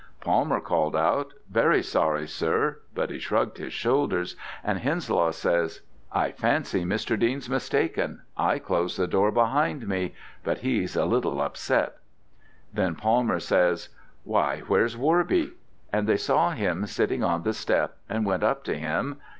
Palmer called out 'Very sorry, sir,' but he shrugged his shoulders, and Henslow says, 'I fancy Mr. Dean's mistaken. I closed the door behind me, but he's a little upset.' Then Palmer says, 'Why, where's Worby?' and they saw him sitting on the step and went up to him.